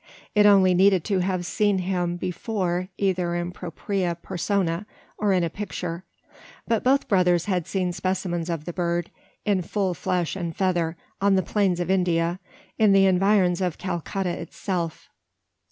It only needed to have seen him before either in propria persona, or in a picture; but both brothers had seen specimens of the bird, in full flesh and feather, on the plains of India in the environs of Calcutta itself.